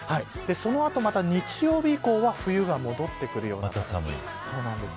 その後、日曜日以降は冬が戻ってくるような寒さになる。